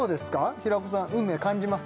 平子さん運命感じます？